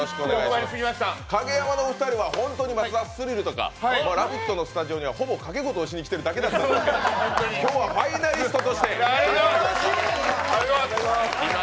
カゲヤマのお二人は、「スリル」とか、「ラヴィット！」には、ほぼ賭け事をしに来てるだけだったんですが、今日はファイナリストとして。